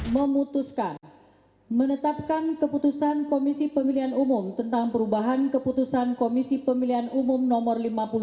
memutuskan menetapkan keputusan komisi pemilihan umum tentang perubahan keputusan komisi pemilihan umum no lima puluh tujuh